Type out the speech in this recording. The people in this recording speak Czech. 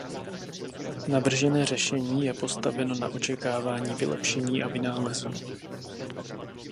Navržené řešení je postaveno na očekávání vylepšení a vynálezů.